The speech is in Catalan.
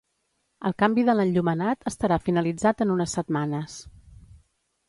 El canvi de l’enllumenat estarà finalitzat en unes setmanes.